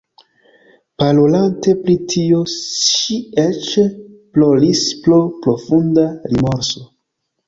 Parolante pri tio, ŝi eĉ ploris pro profunda rimorso.